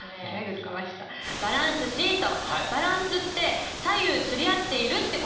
バランスって左右釣り合っているって事ですよね？